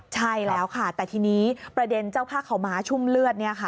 ใช่แล้วค่ะแต่ทีนี้ประเด็นเจ้าผ้าขาวม้าชุ่มเลือด